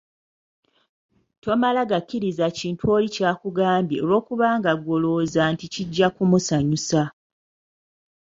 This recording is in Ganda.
Tomala gakkiriza kintu oli ky'akugambye olw'okubanga ggwe olowooza nti kijja kumusanyusa.